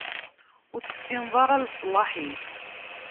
Ur tessineḍ ara leṣlaḥ-ik.